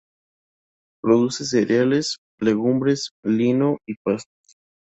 Produce cereales, legumbres, lino y pastos.